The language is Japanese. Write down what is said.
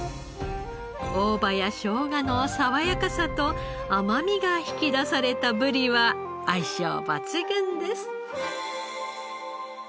大葉や生姜の爽やかさと甘みが引き出されたブリは相性抜群です。